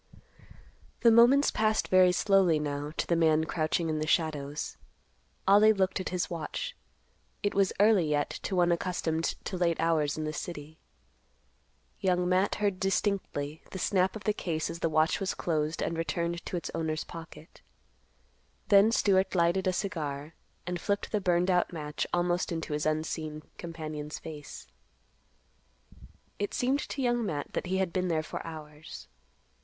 The moments passed very slowly now to the man crouching in the shadows. Ollie looked at his watch. It was early yet to one accustomed to late hours in the city. Young Matt heard distinctly the snap of the case as the watch was closed and returned to its owner's pocket. Then Stewart lighted a cigar, and flipped the burned out match almost into his unseen companion's face. It seemed to Young Matt that he had been there for hours.